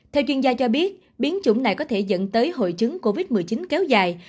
theo chuyên gia cho biết biến chủng này có thể dẫn tới hội chứng covid một mươi chín kéo dài